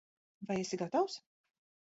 Vai esi gatavs?